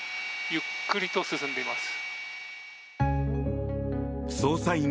ゆっくりと進んでいます。